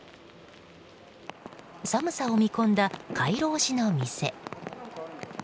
寒さを見込んだカイロ推しの店。